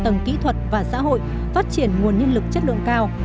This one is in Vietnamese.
tầng kỹ thuật và xã hội phát triển nguồn nhân lực chất lượng cao